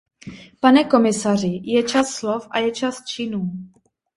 Pane komisaři, je čas slov a je čas činů.